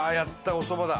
おそばだ。